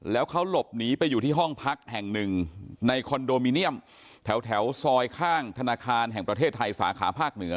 แล้วเขาหลบหนีไปอยู่ที่ห้องพักแห่งหนึ่งในคอนโดมิเนียมแถวซอยข้างธนาคารแห่งประเทศไทยสาขาภาคเหนือ